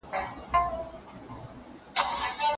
که د نفوس وده کمه وي سړي سر عاید به ډیر سي.